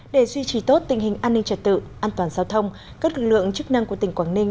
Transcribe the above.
để duy trì tốt tình hình an ninh trật tự an toàn giao thông các lực lượng chức năng của tỉnh quảng ninh